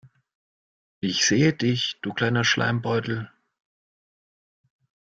Ich sehe dich, du kleiner Schleimbeutel.